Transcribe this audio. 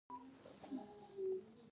رڼې اوښکې پکې وځلیدې.